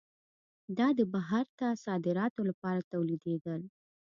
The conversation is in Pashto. دا د بهر ته صادراتو لپاره تولیدېدل.